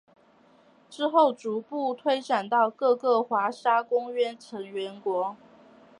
之后逐步推展到各个华沙公约成员国。